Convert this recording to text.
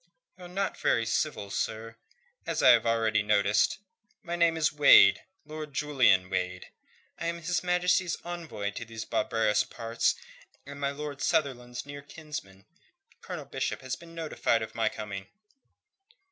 "You're not very civil, sir, as I have already noticed. My name is Wade Lord Julian Wade. I am His Majesty's envoy to these barbarous parts, and my Lord Sunderland's near kinsman. Colonel Bishop has been notified of my coming."